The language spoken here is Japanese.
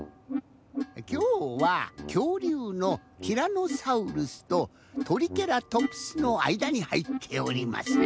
きょうはきょうりゅうのティラノサウルスとトリケラトプスのあいだにはいっております。